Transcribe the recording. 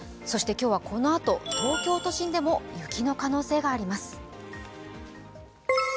今日はこのあと、東京都心でも雪の可能性があります。